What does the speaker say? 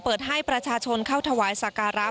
เปิดให้ประชาชนเข้าถวายสาการาพระบรมศพ